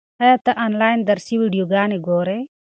ایا ته آنلاین درسي ویډیوګانې ګورې؟